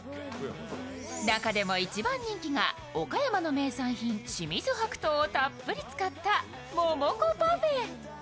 中でも一番人気が岡山の名産品・清水白桃をたっぷり使った桃子パフェ。